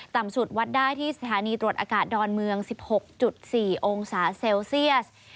ต่ำสุดวัดได้ที่สถานีตรวจอากาศดอนเมือง๑๖๔องศาเซลเซียส